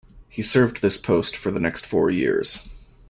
He served this post for the next four years.